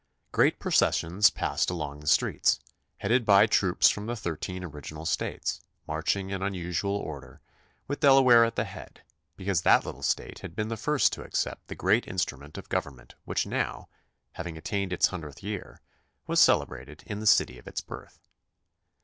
Great processions passed along the streets, headed by troops from the thirteen original States, marching in unusual order, with Delaware at the head, because that little State had been the first to accept the great instrument of govern ment which now, having attained its hundredth year, was celebrated in the city of its birth.